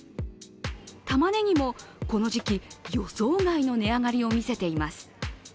たまねぎもこの時期、予想外の値上がりを見せています。